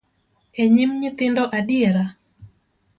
E nyim nyithindo adiera?